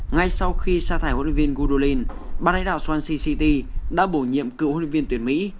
ngay sau khi xa thải huấn luyện viên goodwin bác lãnh đạo swansea city đã bổ nhiệm cựu huấn luyện viên tuyển mỹ